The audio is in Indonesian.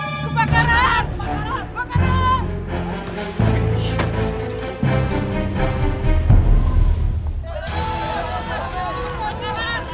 kamu ngapain lari lari malam begini